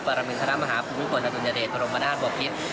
ปรมินทรมาภพุทธกรณฑุญเดรตุลมพนาศบวกฤทธิ์